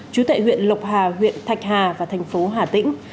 chú tại huyện lộc hà huyện thạch hà và thành phố hà tĩnh